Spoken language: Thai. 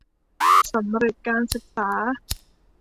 สำเร็จการศึกษา